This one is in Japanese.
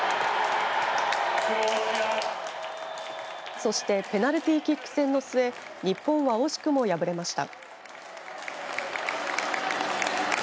そしてペナルティーキック戦の末日本は惜しくも敗れました。